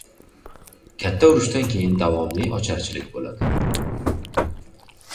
• Katta urushdan keyin davomli ocharchilik bo‘ladi.